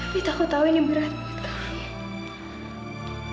fit aku tahu ini berat banget kak fiat